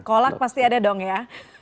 kolak pasti ada dong ya